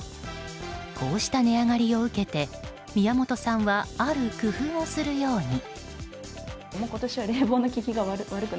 こうした値上がりを受けて宮本さんはある工夫をするように。